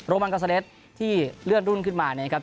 มันกาซาเลสที่เลื่อนรุ่นขึ้นมานะครับ